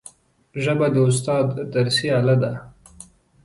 ژبه د استاد درسي آله ده